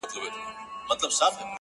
• ژبه مي د حق په نامه ګرځي بله نه مني -